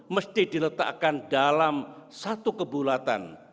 mesti diletakkan dalam satu kebulatan